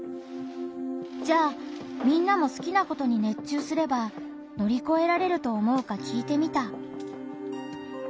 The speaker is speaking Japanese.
じゃあみんなも好きなことに熱中すれば乗り越えられると思うか聞いてみた。